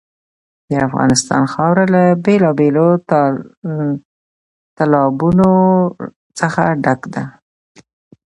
د افغانستان خاوره له بېلابېلو تالابونو څخه ډکه ده.